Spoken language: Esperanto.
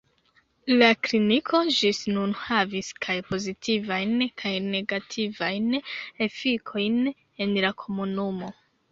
La kliniko ĝis nun havis kaj pozitivajn kaj negativajn efikojn en la komunumo.